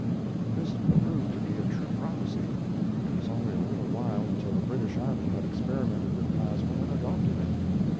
This proved to be a true prophecy. It was only a little while until the British army had experimented with plasmon and adopted it.